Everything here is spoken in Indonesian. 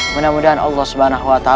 mudah mudahan allah swt